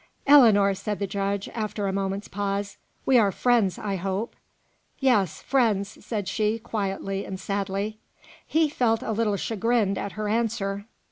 "Ellinor!" said the judge, after a moment's pause, "we are friends, I hope?" "Yes; friends," said she, quietly and sadly. He felt a little chagrined at her answer.